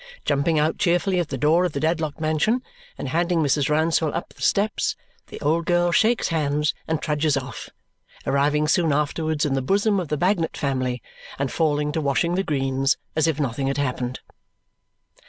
Jumping out cheerfully at the door of the Dedlock mansion and handing Mrs. Rouncewell up the steps, the old girl shakes hands and trudges off, arriving soon afterwards in the bosom of the Bagnet family and falling to washing the greens as if nothing had happened.